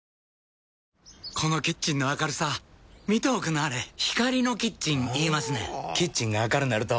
このキッチンの明るさ見ておくんなはれ光のキッチン言いますねんほぉキッチンが明るなると・・・